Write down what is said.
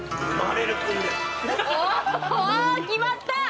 決まった！